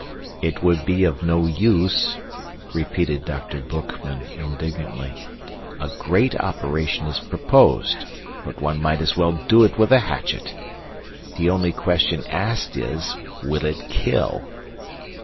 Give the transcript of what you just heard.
"It would be of no use," repeated Dr. Boekman indignantly. "A great operation is proposed, but one might as well do it with a hatchet. The only question asked is, 'Will it kill?